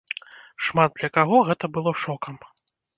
Шмат для каго гэта было шокам.